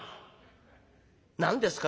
「何ですか？